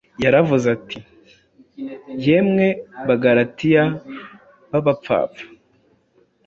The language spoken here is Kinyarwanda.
Yaravuze ati: “Yemwe Bagalatiya b’abapfapfa,